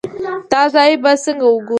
دا ځای به څنګه وګورو.